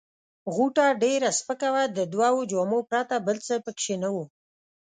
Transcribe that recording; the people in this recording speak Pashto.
غوټه ډېره سپکه وه، د دوو جامو پرته بل څه پکښې نه وه.